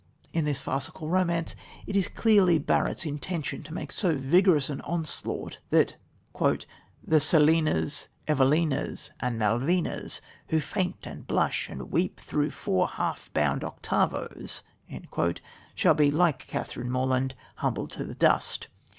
In this farcical romance it is clearly Barrett's intention to make so vigorous an onslaught that "the Selinas, Evelinas, and Malvinas who faint and blush and weep through four half bound octavos" shall be, like Catherine Morland, "humbled to the dust."